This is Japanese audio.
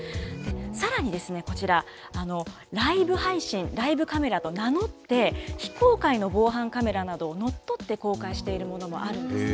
さらにこちら、ライブ配信、ライブカメラと名乗って、非公開の防犯カメラなどを乗っ取って公開しているものもあるんですね。